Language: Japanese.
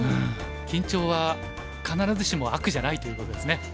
緊張は必ずしも悪じゃないということですね。